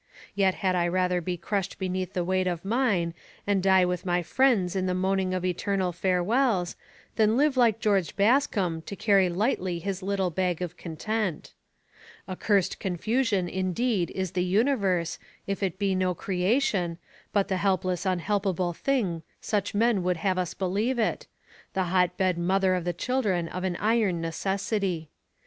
Yet had I rather be crushed beneath the weight of mine, and die with my friends in the moaning of eternal farewells, than live like George Bascombe to carry lightly his little bag of content. A cursed confusion indeed is the universe, if it be no creation, but the helpless unhelpable thing such men would have us believe it the hotbed mother of the children of an iron Necessity.